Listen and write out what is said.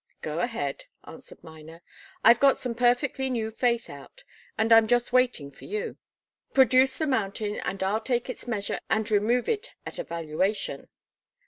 "Go ahead," answered Miner. "I've got some perfectly new faith out and I'm just waiting for you. Produce the mountain, and I'll take its measure and remove it at a valuation."